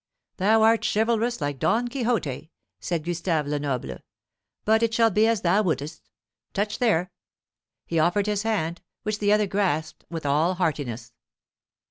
"Thou art chivalrous like Don Quixote," said Gustave Lenoble; "but it shall be as thou wouldest. Touch there." He offered his hand, which the other grasped with all heartiness.